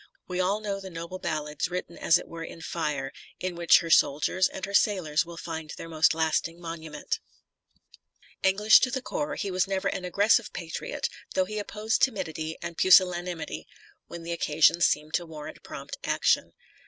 We all know the noble ballads written as it were in fire, in which her soldiers and her sailors will find their most lasting monument. •" Locksley HaU Sixty Years After." t Ibid. 248 TENNYSON English to the core, he was never an aggressive patriot, though he opposed timidity and pusil lanimity when the occasion seemed to warrant prompt action.